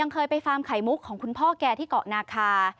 ความไขมุกของคุณพ่อแกที่เกาะนาคา